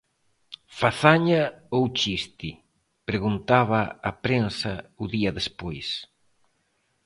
"Fazaña ou chiste?", preguntaba a prensa o día despois.